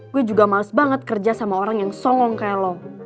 gue juga males banget kerja sama orang yang songong kelo